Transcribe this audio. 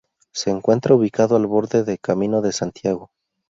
Se encuentra ubicado al borde del Camino de Santiago.